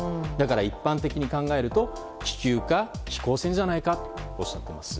一般的に考えれば気球か飛行船じゃないかとおっしゃっています。